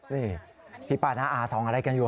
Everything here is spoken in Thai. นี่พี่ป้าน้าอาส่องอะไรกันอยู่